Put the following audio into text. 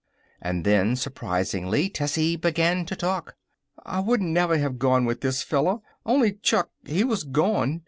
And then, surprisingly, Tessie began to talk. "I wouldn't never have gone with this fella, only Chuck, he was gone.